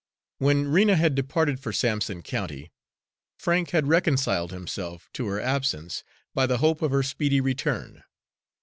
When Rena had departed for Sampson County, Frank had reconciled himself to her absence by the hope of her speedy return.